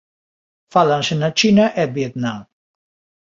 Fálanse na China e Vietnam.